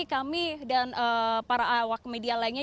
kami dan para awak media lainnya